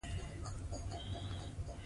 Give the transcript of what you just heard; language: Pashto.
هغوی یې کور ودان کړ.